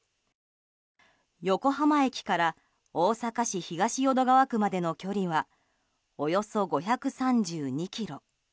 横浜駅から大阪市東淀川区までの距離は、およそ５３２ｋｍ。